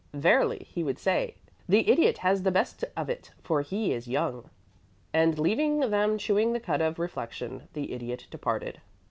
'Verily,' he would say, 'the Idiot has the best of it, for he is young.'" And leaving them chewing the cud of reflection, the Idiot departed.